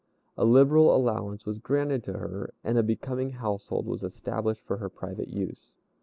A liberal allowance was granted to her, and a becoming household was established for her private use.